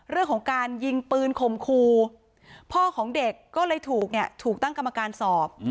เรื่องของการยิงปืนคมครูพ่อของเด็กก็เลยถูกเนี่ยถูกตั้งกรรมการสอบ